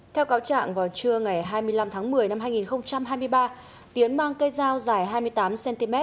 theo cáo trạng vào trưa ngày hai mươi năm tháng một mươi năm hai nghìn hai mươi ba tiến mang cây dao dài hai mươi tám cm